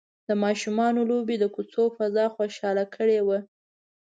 د ماشومانو لوبې د کوڅې فضا خوشحاله کړې وه.